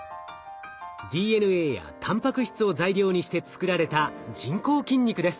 ＤＮＡやたんぱく質を材料にして作られた人工筋肉です。